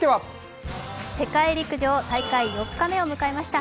世界陸上、４日目を迎えました。